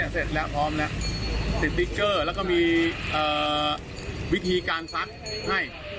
เสร็จแล้วพร้อมนะติดติ๊กเกอร์แล้วก็มีวิธีการซักให้